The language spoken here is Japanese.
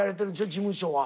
事務所は。